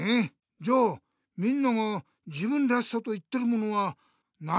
じゃあみんなが「自分らしさ」と言ってるものは何なんだろう？